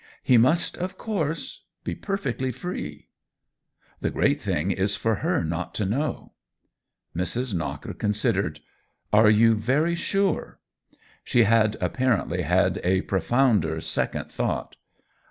" He must of course be perfectly free." "The great thing is for her not to know." Mrs. Knocker considered. " Are you very sure ?" She had apparently had a profound er second thought.